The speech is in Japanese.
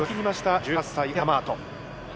１８歳、アジヤ・ダマート。